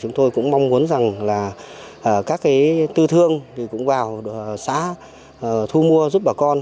chúng tôi cũng mong muốn các tư thương cũng vào xã thu mua giúp bà con